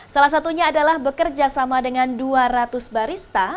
salah satunya adalah bekerja sama dengan dua ratus barista